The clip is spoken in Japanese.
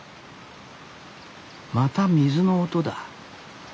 また水の音だ。